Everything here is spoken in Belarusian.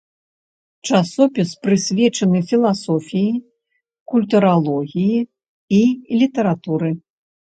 Часопіс прысвечаны філасофіі, культуралогіі і літаратуры.